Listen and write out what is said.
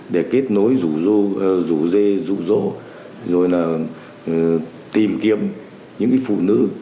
để kết nối rủ dê rủ rỗ tìm kiếm những phụ nữ